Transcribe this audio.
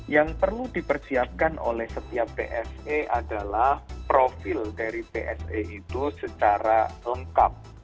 yang perlu dipersiapkan oleh setiap bse adalah profil dari bse itu secara lengkap